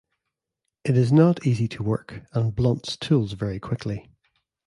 It is not easy to work and blunts tools very quickly.